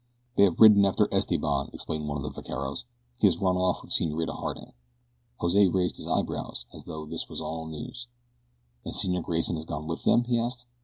"They have ridden after Esteban," explained one of the vaqueros. "He has run off with Senorita Harding." Jose raised his eyebrows as though this was all news. "And Senor Grayson has gone with them?" he asked.